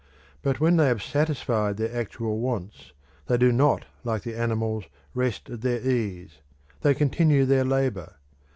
But when they have satisfied their actual wants, they do not, like the animals, rest at their ease: they continue their labour.